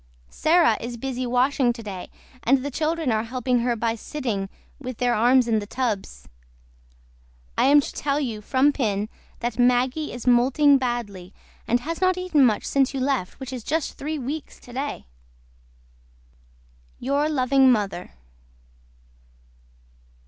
SARAH IS BUSY WASHING TODAY AND THE CHILDREN ARE HELPING HER BY SITTING WITH THEIR ARMS IN THE TUBS. I AM TO TELL YOU FROM PIN THAT MAGGY IS MOULTING BADLY AND HAS NOT EATEN MUCH SINCE YOU LEFT WHICH IS JUST THREE WEEKS TODAY YOUR LOVING MOTHER.